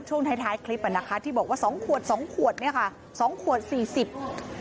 ช่วงท้ายคลิปที่บอกว่า๒ขวด๒ขวด๒ขวด๔๐บาท